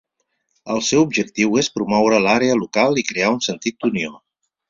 El seu objectiu és promoure l'àrea local i crear un sentit d'unió.